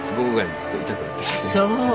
そう。